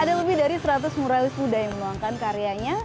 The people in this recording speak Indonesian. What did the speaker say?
ada lebih dari seratus muralis muda yang meluangkan karyanya